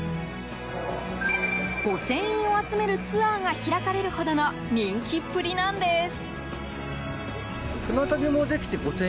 御船印を集めるツアーが開かれるほどの人気っぷりなんです。